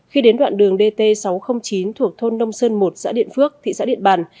khi đến đoạn đường dt sáu trăm linh chín thuộc thôn nông sơn một xã điện phước thị xã điện bàn